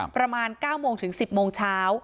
ประมาณ๙โมงถึง๑๐โมงเช้า